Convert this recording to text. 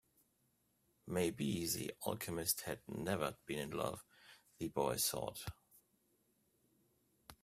Maybe the alchemist has never been in love, the boy thought.